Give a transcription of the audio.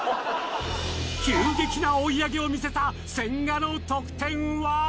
急激な追い上げを見せた千賀の得点は？